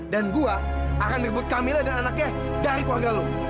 dan gue akan merebut camilla dan anaknya dari keluarga lo